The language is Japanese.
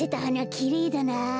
きれいだな。